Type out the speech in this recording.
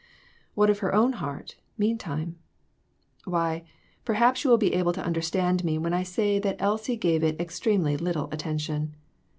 What of her own heart, meantime ? Why, per haps you will be able to understand me when I say that Elsie gave it extremely little attention.